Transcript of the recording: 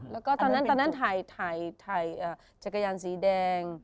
แล้วก็ตอนนั้นถ่ายจักรยานสีแดง